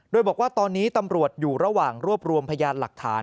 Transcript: โดยบอกว่าตอนนี้ตำรวจอยู่ระหว่างรวบรวมพยานหลักฐาน